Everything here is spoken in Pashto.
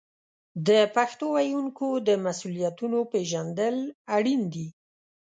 د پښتو ویونکو د مسوولیتونو پیژندل اړین دي.